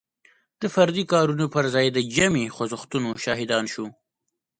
د فردي کارونو پر ځای د جمعي خوځښتونو شاهدان شو.